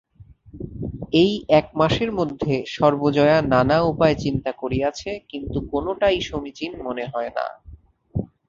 এই একমাসের মধ্যে সর্বজয়া নানা উপায় চিন্তা করিয়াছে কিন্তু কোনোটাই সমীচীন মনে হয় না।